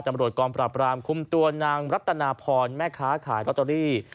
ตำรวจกองปราบรามคุมตัวนางรัตนาพรแม่ค้าขายลอตเตอรี่